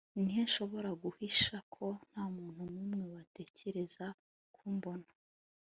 Ni he nshobora guhisha ko ntamuntu numwe watekereza kumbona